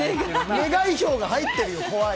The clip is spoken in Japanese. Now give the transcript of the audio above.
願い票が入ってるよ、怖い。